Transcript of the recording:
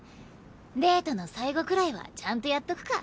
デートの最後くらいはちゃんとやっとくか。